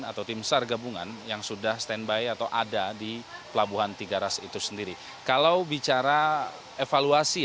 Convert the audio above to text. atau tim sarga gebungan yang sudah standby atau ada di pelabuhan tiga ras